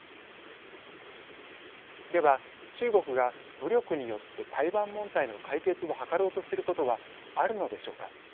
では中国が武力によって台湾問題の解決を図ろうとすることはあるのでしょうか。